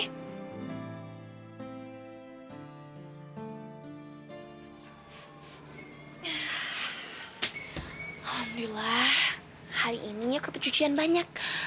alhamdulillah hari ini aku ada percucian banyak